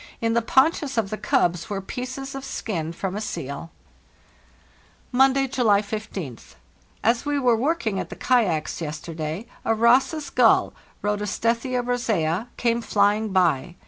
In the paunches of the cubs were pieces of skin from a seal. "Monday, July 15th. As we were working at the kayaks yesterday a Ross's gull (Aodostethia rosea) came flying by.